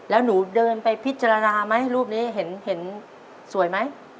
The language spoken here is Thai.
แล้วหนูเดินไปพิจารณาไหมรูปนี้เห็นสวยไหม